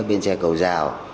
bến xe cầu giao